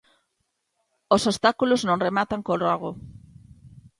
Os obstáculos non rematan co rogo.